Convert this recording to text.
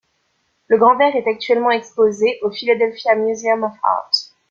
Le Grand Verre est actuellement exposé au Philadelphia Museum of Art.